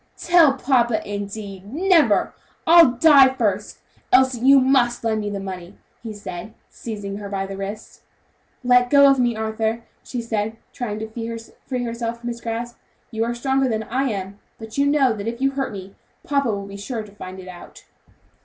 "Tell papa, indeed; never! I'd die first! Elsie, you must lend me the money," he said, seizing her by the wrist. "Let go of me, Arthur," she said, trying to free herself from his grasp. "You are stronger than I am, but you know if you hurt me, papa will be sure to find it out."